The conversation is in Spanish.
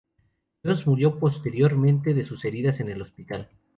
Johns murió posteriormente de sus heridas en el hospital.